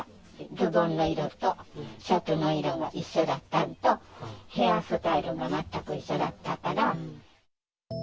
ズボンの色とシャツの色も一緒だったのと、ヘアスタイルが全く一緒だったから。